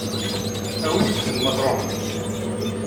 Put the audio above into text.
Awimt-ten ma tṛuḥemt.